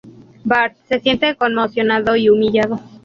Bart se siente conmocionado y humillado.